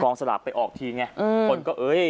สลากไปออกทีไงคนก็เอ้ย